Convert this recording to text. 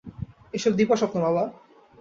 এসব দিবাস্বপ্ন, বাবা।